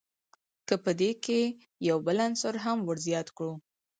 که په دې کښي یو بل عنصر هم ور زیات کو.